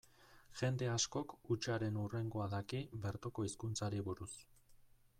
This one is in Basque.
Jende askok hutsaren hurrengoa daki bertoko hizkuntzari buruz.